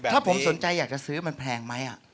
ถ้าผมสนใจอยากจะซื้อมันแพงไหม